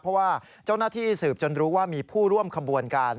เพราะว่าเจ้าหน้าที่สืบจนรู้ว่ามีผู้ร่วมขบวนการ